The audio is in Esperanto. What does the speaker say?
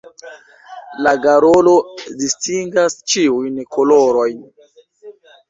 La garolo distingas ĉiujn kolorojn.